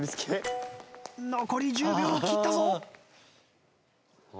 残り１０秒を切ったぞ。